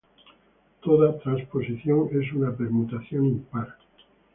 Toda transposición es una permutación impar.